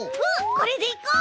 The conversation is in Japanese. これでいこう！